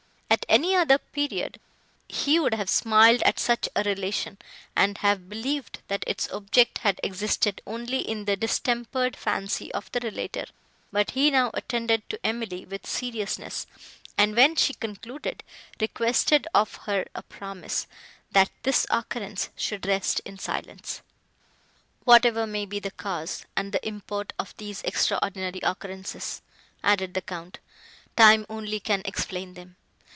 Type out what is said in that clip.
At any other period, he would have smiled at such a relation, and have believed, that its object had existed only in the distempered fancy of the relater; but he now attended to Emily with seriousness, and, when she concluded, requested of her a promise, that this occurrence should rest in silence. "Whatever may be the cause and the import of these extraordinary occurrences," added the Count, "time only can explain them.